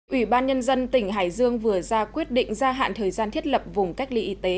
ủy ban nhân dân tỉnh hải dương vừa ra quyết định gia hạn thời gian thiết lập vùng cách ly y tế